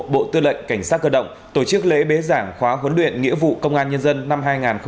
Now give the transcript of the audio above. bộ tư lệnh cảnh sát cơ động tổ chức lễ bế giảng khóa huấn luyện nghĩa vụ công an nhân dân năm hai nghìn hai mươi bốn